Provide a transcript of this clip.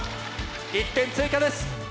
１点追加です。